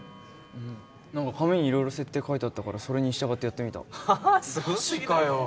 うん何か紙に色々設定書いてあったからそれに従ってやってみたはあ？